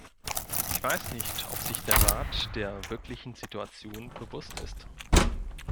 Ich weiß nicht, ob sich der Rat der wirklichen Situation bewusst ist.